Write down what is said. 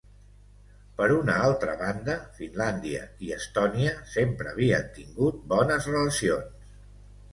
Per una altra banda, Finlàndia i Estònia sempre havien tingut bones relacions.